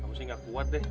kamu sih gak kuat deh